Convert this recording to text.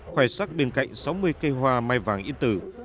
khoe sắc bên cạnh sáu mươi cây hoa mai vàng yên tử